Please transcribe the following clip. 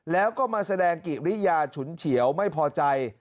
แล้วก็มาแสดงกิริยาฉุนเฉียวไม่พอใจ